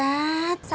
tunggu dulu ya